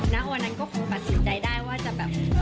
ณวันนั้นก็คงตัดสินใจได้ว่าจะแบบ